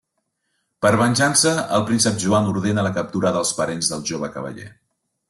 Per venjança, el príncep Joan ordena la captura dels parents del jove cavaller.